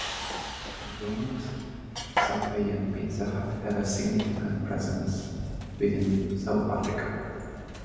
McDonald's, Subway and Pizza Hut have a significant presence within South Africa.